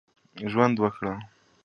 ژوند وکړي.